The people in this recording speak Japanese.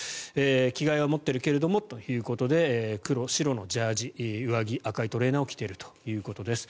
着替えは持っているけれどもということで黒白のジャージー上着は赤いトレーナーを着ているということです。